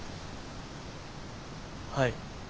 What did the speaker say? はい。